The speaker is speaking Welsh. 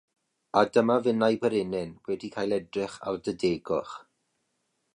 A dyma finnau bererin wedi cael edrych ar dy degwch.